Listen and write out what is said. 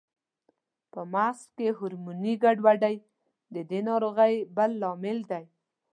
په مغز کې هورموني ګډوډۍ د دې ناروغۍ بل لامل دی.